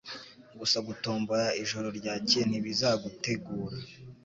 Gusa gutombora ijoro ryakeye ntibizagutegura